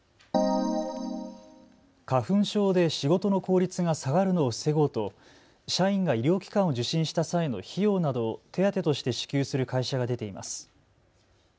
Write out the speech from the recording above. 花粉症で仕事の効率が下がるのを防ごうと社員が医療機関を受診した際の費用などを手当として支給する会社が出ています。